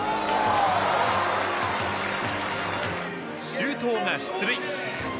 周東が出塁。